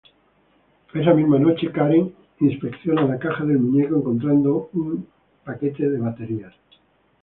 Esa misma noche, Karen inspecciona la caja del muñeco, encontrando un paquete de baterías.